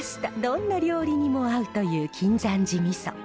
どんな料理にも合うという径山寺みそ。